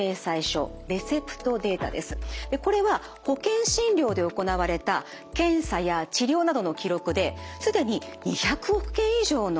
これは保険診療で行われた検査や治療などの記録ですでに２００億件以上のデータがですね